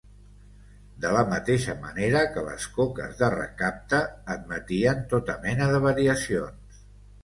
De la mateixa manera que les coques de recapte, admetien tota mena de variacions.